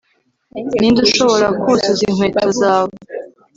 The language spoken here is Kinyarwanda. ninde ushobora kuzuza inkweto zawe